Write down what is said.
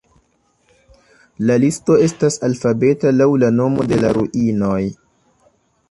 La listo estas alfabeta laŭ la nomo de la ruinoj.